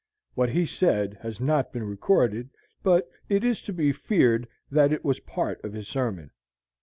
What he said has not been recorded, but it is to be feared that it was part of his sermon.